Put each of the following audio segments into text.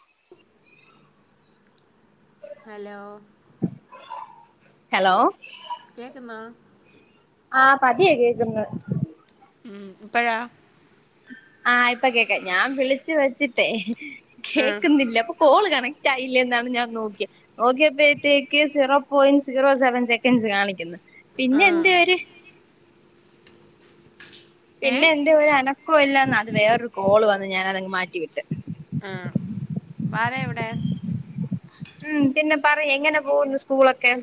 [inaudible] hello hello കേക്കുന്നാ ആ പതിയെ കേക്കുന്ന് ഉം ഇപ്പഴാ ആ ഇപ്പോ കേൾക്കാം ഞാൻ വിളിച്ച് വെച്ചട്ടെ ആ കേൾക്കുന്നില്ല അപ്പോ കോൾ കണക്ട് കണക്ട് ആയില്ലേ എന്നാ ഞാൻ നോക്കിയ നോക്കിയപ്പഴുത്തേക്ക് zero point zero seven seconds കാണിക്കുന്നു ആ പിന്നെ എന്ത് ഏ പിന്നെ എന്തു കുഴപ്പമില്ലാന്ന് വേറെ ഒരു കോൾ വന്ന് ഞാൻ അത് അങ്ങ് മാറ്റി ഇട്ട് ആഹ് വാവ എവിടെ മ്മ് പിന്നെ പറയ് എങ്ങനെ പോണു സ്‌കൂളെക്കെ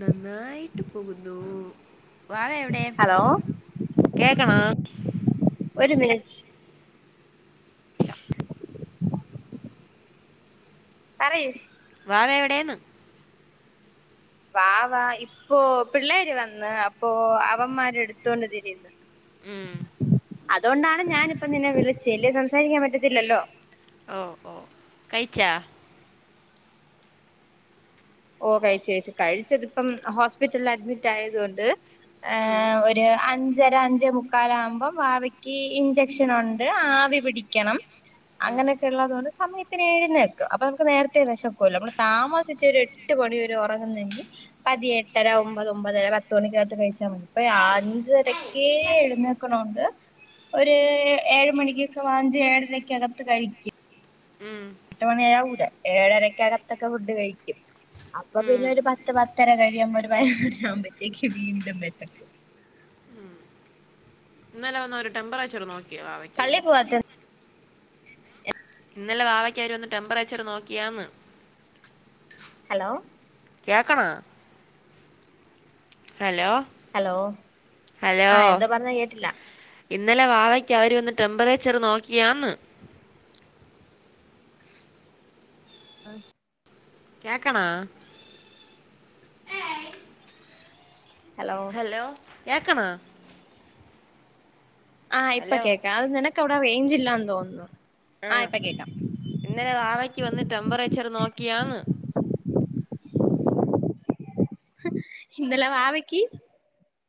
നന്നായിട്ടു പോകുന്നു വാവ എവിടെ ഹലോ കേക്കണാ ഒരുമിനിറ്റ് [inaudible] പറയ് വാവ എവിടേന്ന് വാവ ഇപ്പൊ പിള്ളേര് വന്ന് അപ്പോൾ അവൻമാൻ എടുത്തോണ്ട് തിരിയുന്നു ഉം അതോണ്ടാണ് ഞാൻ ഇപ്പോ നിന്നെ വിളിച്ച അല്ലെങ്കിൽ സംസാരിക്കാൻ പറ്റത്തില്ലല്ലോ ഓ ഓ കഴിച്ചാ ഓ കഴിച്ച് കഴിച്ച് കഴിച്ചത് ഇപ്പോ ഹോസ്പിറ്റലിൽ അഡ്‌മിറ്റ് ആയത് കൊണ്ട് ഏ് ഉം ഒരു അഞ്ചര അഞ്ചമുക്കാൽ ആകുമ്പോൾ വാവക്ക് ഇൻജക്ഷൻ ഉണ്ട് ആവി പിടിക്കണം ഉം അങ്ങനെയെക്കെ ഉള്ളത് കൊണ്ട് സമയത്തിന് എഴുന്നേൽക്കും അപ്പോൾ നമുക്ക് നേരത്തെ വിശക്കുമല്ലോ നമ്മള് താമസിച്ച് ഒരു എട്ട് എട്ട് മണിവരെ ഉറങ്ങുന്നങ്കിൽ പതിയെ എട്ടരാ ഒൻപത് ഒൻപത് അരാ പത്ത് മണിക്കകത്തിട്ട് കഴിച്ചാ മതി ഇപ്പോ അഞ്ചരക്കെ എനിക്കണോണ്ട് ഒരു ഏഴു മണിക്ക് വാങ്ങിച്ച് ഏഴരക്ക് അകത്ത് കഴിക്കും ഉം എട്ടുമണി ആവൂല ഏഴ് അരക്കകത്ത് ഒക്കെ ഫുഡ് കഴിക്കും അപ്പോൾ പിന്നെ ഉം ഒരു പത്ത് പത്തര കഴിയുമ്പോൾ പതിനൊന്ന് മണി ആകുമ്പോൾ വീണ്ടും വിശക്കും ഇന്നലെ വന്നവര് ടെമ്പറേച്ചർ നോക്കി നോക്കിയോ വാവക്ക് പള്ളി പോവാത്ത [inaudible] ഇന്നലെ വാവക്ക് അവര് വന്ന് ടെമ്പറേച്ചർ നോക്കിയോ എന്ന് ഹലോ കേക്കണാ ഹലോ ഹലോ ഹലോ ആ എന്താ പറഞ്ഞേ കേട്ടില്ല ഇന്നലെ വാവയ്ക്ക് അവര് വന്ന് ടെമ്പറേച്ചർ നോക്കിയോന്ന് ആഹ് കേക്കണാ ഹലോ കേക്കണാ ആ ഇപ്പ ഹലോ കേൾക്കാം അത് നിനക്ക് അവിടെ റേഞ്ച് ഇല്ലാന്ന് തോന്നുന്നു ആ ഇപ്പോ കേൾക്കാം വാവക്ക് വന്ന് ടെമ്പറേച്ചർ നോക്കിയാന്ന് ആഹ് ഇന്നലെ വാവക്ക്